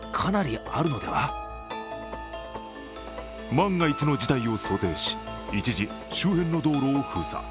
万が一の事態を想定し、一時周辺の道路を封鎖。